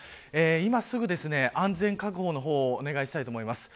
今すぐ安全確保の方をお願いしたいと思います。